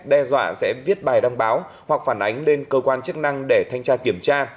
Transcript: đe dọa sẽ viết bài đăng báo hoặc phản ánh lên cơ quan chức năng để thanh tra kiểm tra